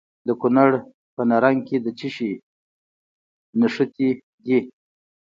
د کونړ په نرنګ کې د څه شي نښې دي؟